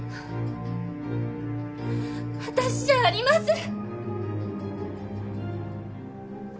私じゃありません！